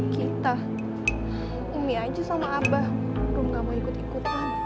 kita ini aja sama abah belum gak mau ikut ikutan